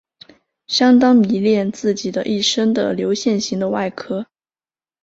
相当迷恋自己的一身的流线型的外壳。